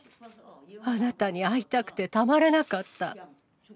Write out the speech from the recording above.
あなたに会いたくてたまらなかった。